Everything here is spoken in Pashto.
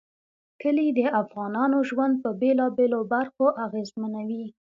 کلي د افغانانو ژوند په بېلابېلو برخو اغېزمنوي.